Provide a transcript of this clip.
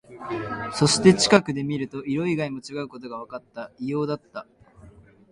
そして、近くで見ると、色以外も違うことがわかった。異様だった。